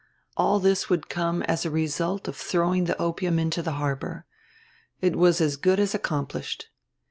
All this would come as a result of throwing the opium into the harbor. It was as good as accomplished.